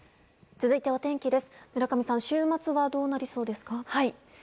続いてお天気です。